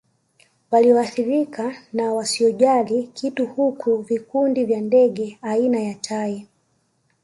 Walioathirika na wasiojali kitu huku vikundi vya ndege aina ya tai